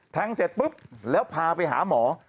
เสร็จปุ๊บแล้วพาไปหาหมอ